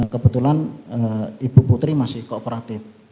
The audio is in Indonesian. kebetulan ibu putri masih kooperatif